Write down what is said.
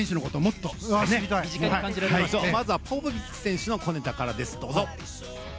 まずはポポビッチ選手の小ネタからです。